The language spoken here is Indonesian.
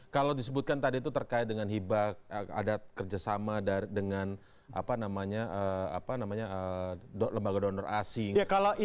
kalau disebutkan tadi itu terkait dengan hibak ada kerjasama dengan lembaga donor asing